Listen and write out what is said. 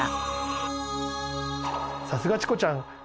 さすがチコちゃん！